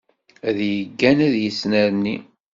Ad yeggan ad yettnerni.